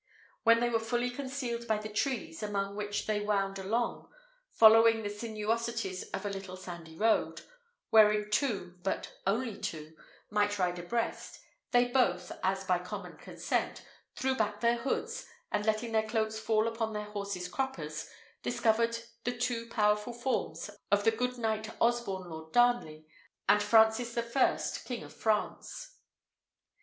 When they were fully concealed by the trees, among which they wound along, following the sinuosities of a little sandy road, wherein two, but only two, might ride abreast, they both, as by common consent, threw back their hoods, and, letting their cloaks fall upon their horses' cruppers, discovered the two powerful forms of the good knight Osborne Lord Darnley, and Francis the First King of France.